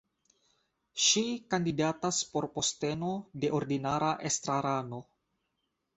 Ŝi kandidatas por posteno de ordinara estrarano.